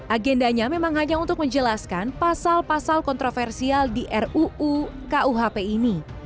agendanya memang hanya untuk menjelaskan pasal pasal kontroversial di ruu kuhp ini